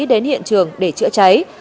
đến hiện trường để chữa cháy